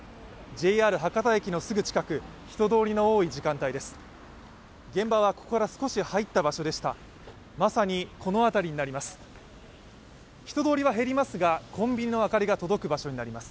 ＪＲ博多駅のすぐ近く、人通りの多い時間帯です